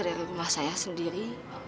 dari rumah saya sendiri